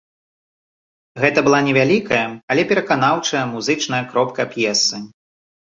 Гэта была невялікая, але пераканаўчая музычная кропка п'есы.